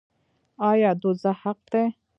آیا دوزخ حق دی؟